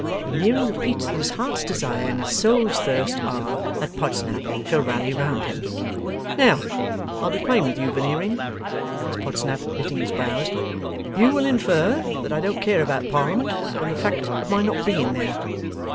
Veneering repeats that his heart's desire and his soul's thirst are, that Podsnap shall rally round him. 'Now, I'll be plain with you, Veneering,' says Podsnap, knitting his brows. 'You will infer that I don't care about Parliament, from the fact of my not being there?